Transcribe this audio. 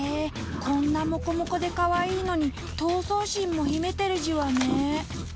こんなもこもこでかわいいのに闘争心も秘めてるじわね。